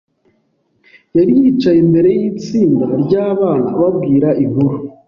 yari yicaye imbere yitsinda ryabana, ababwira inkuru.